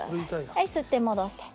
はい吸って戻して。